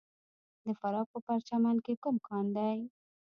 د فراه په پرچمن کې کوم کان دی؟